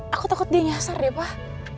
aku takut dia nyasar deh pak